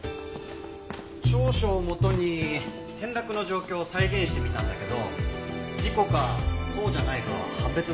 調書をもとに転落の状況を再現してみたんだけど事故かそうじゃないかは判別できなかったよ。